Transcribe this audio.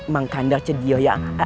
mangkandar cediyo ya